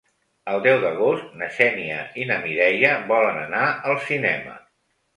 El deu d'agost na Xènia i na Mireia volen anar al cinema.